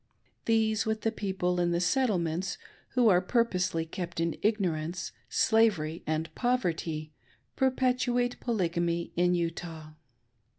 These, with the people in the Settlements, who are purposely, kept in ignorance, slavery, and poverty, perpet uate Polygamy in Utah.